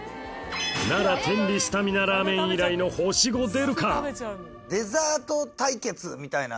奈良天理スタミナラーメン以来のマジで。